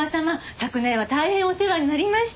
昨年は大変お世話になりました。